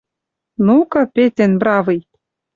— Ну-ка, Петен бравый!..